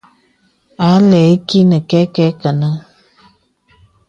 A lɛ̂ ìkì nə kɛkɛ kə̀nɛ̂.